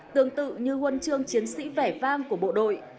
tương tự như huân chương chiến sĩ vẻ vang của bộ đội